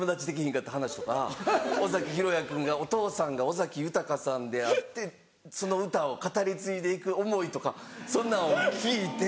んかった話とか尾崎裕哉君がお父さんが尾崎豊さんであってその歌を語り継いで行く思いとかそんなんを聞いて。